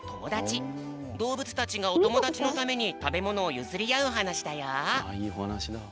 どうぶつたちがおともだちのためにたべものをゆずりあうおはなしだよ。